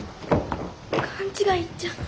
勘違いっちゃ。